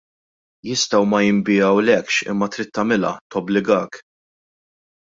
Jistgħu ma jinbigħulekx imma trid tagħmilha, tobbligak.